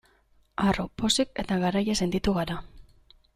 Harro, pozik eta garaile sentitu gara.